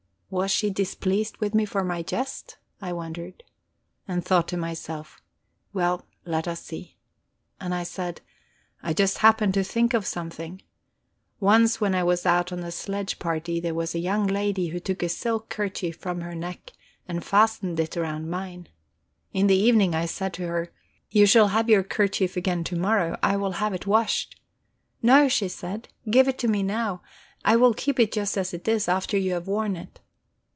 Was she displeased with me for my jest, I wondered? And thought to myself: Well, let us see. And I said: "I just happened to think of something. Once when I was out on a sledge party, there was a young lady who took a silk kerchief from her neck and fastened it round mine. In the evening, I said to her: 'You shall have your kerchief again to morrow; I will have it washed.' 'No,' she said, 'give it to me now; I will keep it just as it is, after you have worn it.'